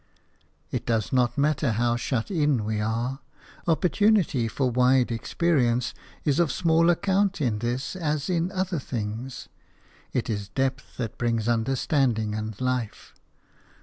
It does not matter how shut in we are. Opportunity for wide experience is of small account in this as in other things; it is depth that brings understanding and life.